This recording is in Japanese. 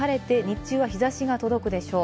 広く晴れて日中は日差しが届くでしょう。